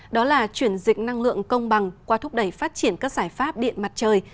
đó là chuyển dịch năng lượng công bằng qua thúc đẩy phát triển các giải pháp điện mặt trời